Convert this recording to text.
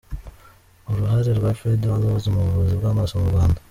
Uruhare rwa Fred Hollows mu buvuzi bw’amaso mu Rwanda.